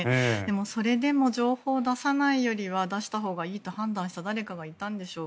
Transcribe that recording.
それでも情報を出さないよりは出したほうがいいと判断した誰かがいたんでしょう。